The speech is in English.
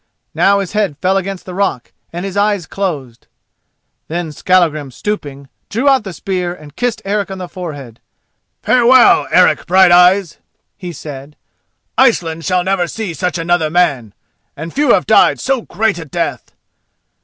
Now his head fell against the rock and his eyes closed. Then Skallagrim, stooping, drew out the spear and kissed Eric on the forehead. "Farewell, Eric Brighteyes!" he said. "Iceland shall never see such another man, and few have died so great a death.